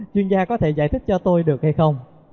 chuyên gia có thể giải thích cho tôi được hay không